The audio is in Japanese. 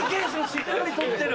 しっかり取ってる。